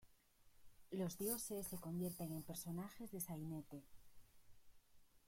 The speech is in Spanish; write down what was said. Los dioses se convierten en personajes de sainete.